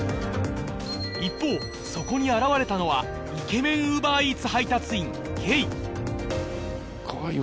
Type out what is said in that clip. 一方そこに現れたのはイケメンウーバーイーツ